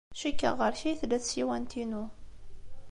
Cikkeɣ ɣer-k ay tella tsiwant-inu.